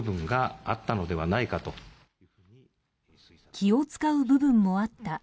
気を遣う部分もあった。